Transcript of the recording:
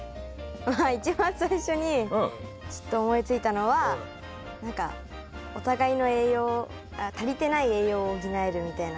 まあ一番最初にちょっと思いついたのは何かお互いの栄養足りてない栄養を補えるみたいな感じ。